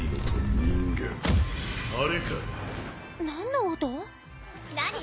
何の音？何？